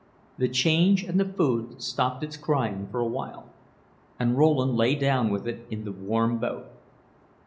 The change and the food stopped its crying for a while, and Rowland lay down with it in the warm boat.